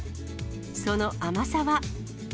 その甘さは。